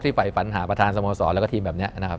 ที่ไปฝันหาประธานสมศรและก็ทีมแบบนี้